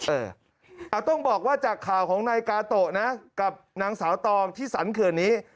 เออเอาต้องบอกว่าจากข่าวของนายกาโตะนะกับนางสาวตองที่สรรเขื่อนนี้